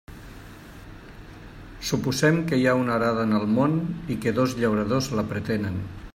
Suposem que hi ha una arada en el món i que dos llauradors la pretenen.